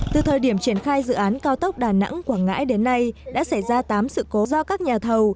từ thời điểm triển khai dự án cao tốc đà nẵng quảng ngãi đến nay đã xảy ra tám sự cố do các nhà thầu